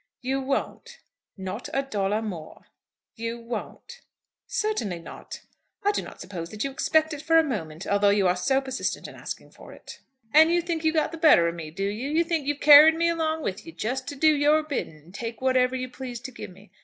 "You won't?" "Not a dollar more." "You won't?" "Certainly not. I do not suppose that you expect it for a moment, although you are so persistent in asking for it." "And you think you've got the better of me, do you? You think you've carried me along with you, just to do your bidding and take whatever you please to give me?